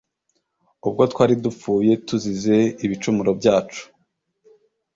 ubwo twaridupfuye tuzize ibicumuro byacu,